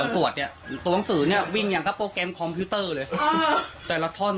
ตัวหนังสือวิ่งอย่างก็โปรแกรมคอมพิวเตอร์เลย